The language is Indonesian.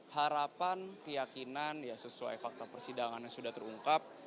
harapan keyakinan ya sesuai fakta persidangan yang sudah terungkap